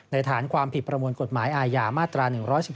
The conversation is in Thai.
ฐานความผิดประมวลกฎหมายอาญามาตรา๑๑๒